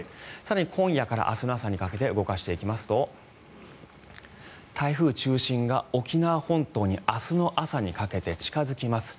今夜から明日の朝にかけて動かしていきますと台風中心が沖縄本島に明日の朝にかけて近付きます。